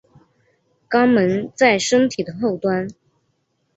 肛门在身体的后端。